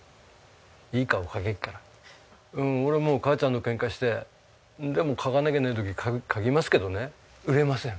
俺も母ちゃんとケンカしてでも描かなきゃいけない時描きますけどね売れません。